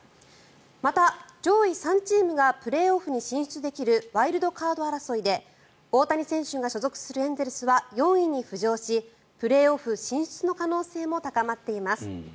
また、上位３チームがプレーオフに進出できるワイルドカード争いで大谷選手が所属するエンゼルスは４位に浮上しプレーオフ進出の可能性も高まっています。